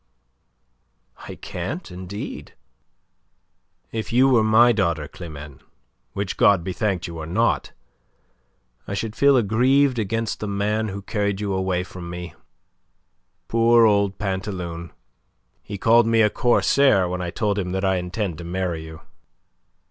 "I can't, indeed." "If you were my daughter, Climene, which God be thanked you are not, I should feel aggrieved against the man who carried you away from me. Poor old Pantaloon! He called me a corsair when I told him that I intend to marry you."